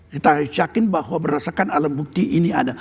kita harus yakin bahwa berdasarkan alat bukti ini ada